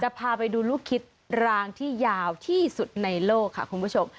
พาไปดูลูกคิดรางที่ยาวที่สุดในโลกค่ะคุณผู้ชม